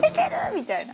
みたいな。